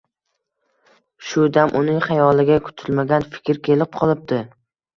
Shu dam uning xayoliga kutilmagan fikr kelib qolibdi